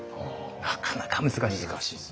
なかなか難しい。